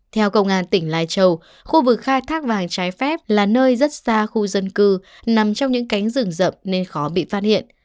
theo công an tỉnh lai châu khu vực khai thác vàng trái phép là nơi rất xa khu dân cư nằm trong những cánh rừng rậm nên khó bị phát hiện